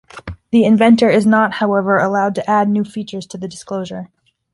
The inventor is not, however, allowed to add new features to the disclosure.